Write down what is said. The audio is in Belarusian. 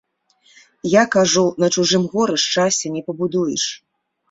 Я кажу, на чужым горы шчасця не пабудуеш.